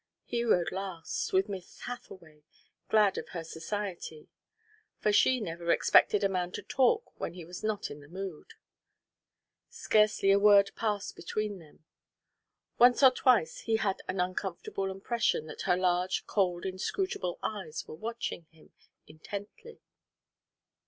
He rode last, with Miss Hathaway, glad of her society; for she never expected a man to talk when he was not in the mood. Scarcely a word passed between them; once or twice he had an uncomfortable impression that her large cold inscrutable eyes were watching him intently.